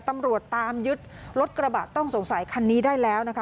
ตำรวจตามยึดรถกระบะต้องสงสัยคันนี้ได้แล้วนะคะ